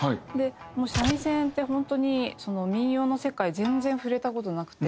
三味線って本当にその民謡の世界全然触れた事なくて。